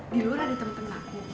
di luar ada temen temen aku